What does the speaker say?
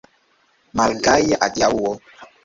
Malgaja adiaŭo!